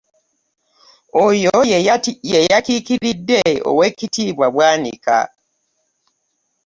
Oyo ye yakiikiridde oweekitiibwa Bwanika.